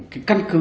cái căn cứ